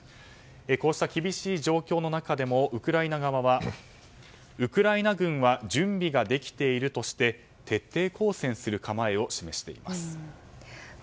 こうした厳しい状況の中でもウクライナ側はウクライナ軍は準備ができているとして徹底抗戦する構えを示しています。